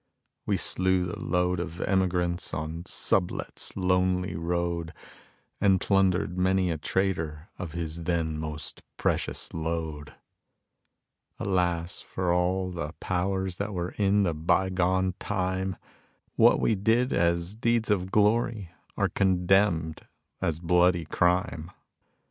We slew the load of emigrants on Sublet's lonely road And plundered many a trader of his then most precious load. Alas for all the powers that were in the by gone time. What we did as deeds of glory are condemned as bloody crime.